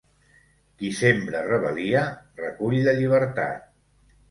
Qui sembra rebel·lia, recull la llibertat.